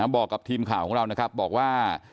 บอกกับทีมข่าวของเรานะครับบอกว่า